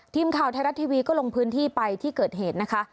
ทีมข่าวไทยรัฐทีวีก็ลงพื้นที่ไปที่เกิดเหตุนะคะ